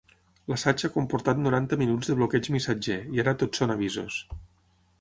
L'assaig ha comportat noranta minuts de bloqueig missatger, i ara tot són avisos.